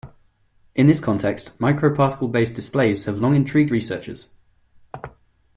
In this context, microparticle-based displays have long intrigued researchers.